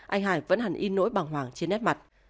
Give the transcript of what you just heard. anh hải vẫn hẳn in nỗi bằng hoảng trên nét mặt